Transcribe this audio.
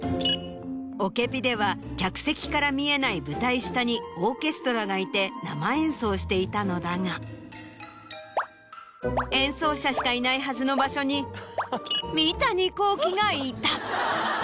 『オケピ！』では客席から見えない舞台下にオーケストラがいて生演奏していたのだが演奏者しかいないはずの場所に三谷幸喜がいた。